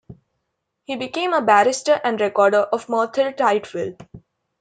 He became a barrister and Recorder of Merthyr Tydfil.